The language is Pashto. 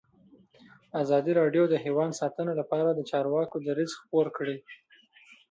ازادي راډیو د حیوان ساتنه لپاره د چارواکو دریځ خپور کړی.